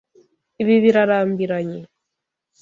Ibi birarambiranye.